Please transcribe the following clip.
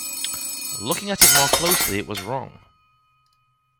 Looking at it more closely it was wrong!